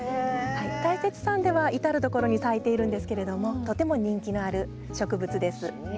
大雪山では至る所に咲いてるんですけどとても人気のある植物です。